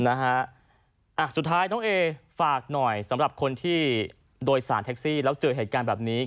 นะฮะสุดท้ายน้องเอฝากหน่อยสำหรับคนที่โดยสารแท็กซี่แล้วเจอเหตุการณ์แบบนี้